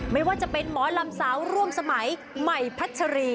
ไม่ว่าจะเป็นหมอลำสาวร่วมสมัยใหม่พัชรี